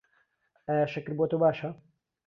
ئایا شەکر بۆ تۆ باشە؟